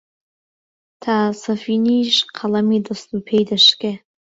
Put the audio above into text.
تا سەفینیش قەڵەمی دەست و پێی دەشکێ،